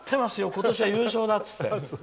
今年は優勝だって言って。